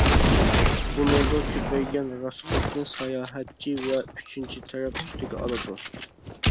بۇنىڭدا كۆپەيگەن راسخوتنى ساياھەتچى ۋە ئۈچىنچى تەرەپ ئۈستىگە ئالىدۇ.